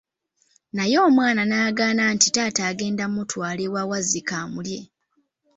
Naye omwana nagaana nti taata agenda kumutwala ewa Wazzike amulye.